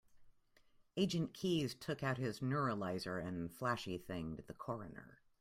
Agent Keys took out his neuralizer and flashy-thinged the coroner.